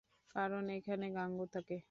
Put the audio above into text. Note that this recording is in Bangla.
কারণ এখানে গাঙু থাকে!